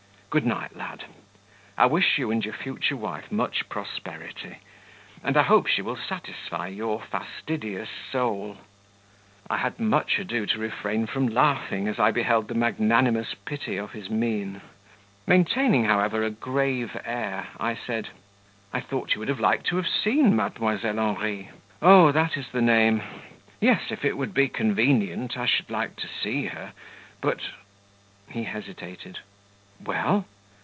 "Good night, lad. I wish you and your future wife much prosperity; and I hope she will satisfy your fastidious soul." I had much ado to refrain from laughing as I beheld the magnanimous pity of his mien; maintaining, however, a grave air, I said: "I thought you would have liked to have seen Mdlle. Henri?" "Oh, that is the name! Yes if it would be convenient, I should like to see her but ." He hesitated. "Well?"